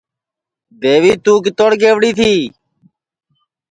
دیوی تُوں کِتوڑ گئوڑی تی